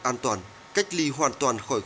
an toàn cách ly hoàn toàn khỏi